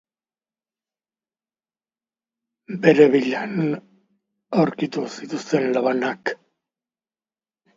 Krimena burutzeko labana ere etxean aurkitu dute.